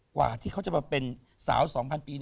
กว่าที่เขาจะมาเป็นสาว๒๐๐ปี